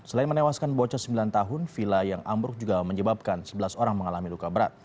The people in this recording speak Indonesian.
selain menewaskan bocah sembilan tahun villa yang ambruk juga menyebabkan sebelas orang mengalami luka berat